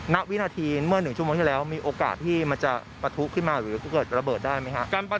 ณวินาทีเมื่อ๑ชั่วโมงที่แล้วมีโอกาสที่มันจะปะทุขึ้นมาหรือเกิดระเบิดได้ไหมครับ